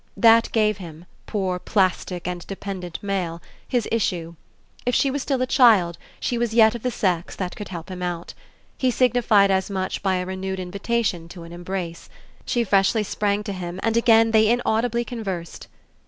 That gave him poor plastic and dependent male his issue. If she was still a child she was yet of the sex that could help him out. He signified as much by a renewed invitation to an embrace. She freshly sprang to him and again they inaudibly conversed.